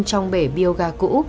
trong bể biogas cũ